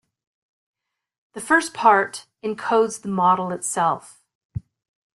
The first part encodes the model itself.